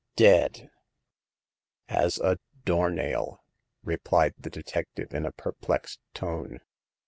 " Dead !" "As a door nail !" replied the detective in a perplexed tone.